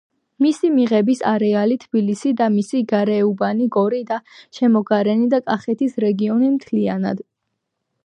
მისი მიღების არეალია თბილისი და მისი გარეუბნები; გორი და შემოგარენი და კახეთის რეგიონი მთლიანად.